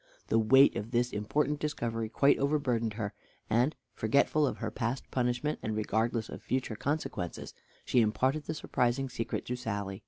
The weight of this important discovery quite overburdened her, and, forgetful of her past punishment, and regardless of future consequences, she imparted the surprising secret to Sally.